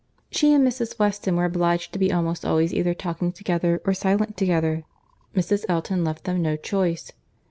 She and Mrs. Weston were obliged to be almost always either talking together or silent together. Mrs. Elton left them no choice.